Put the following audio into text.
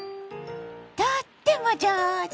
とっても上手！